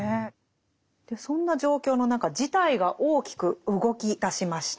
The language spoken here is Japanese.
そんな状況の中事態が大きく動きだしました。